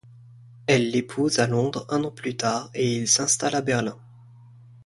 Elle l'épouse à Londres un an plus tard et ils s'installent à Berlin.